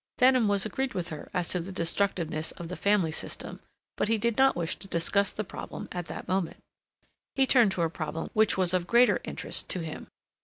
Denham was agreed with her as to the destructiveness of the family system, but he did not wish to discuss the problem at that moment. He turned to a problem which was of greater interest to him.